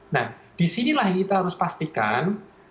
nah disinilah yang kita harus pastikan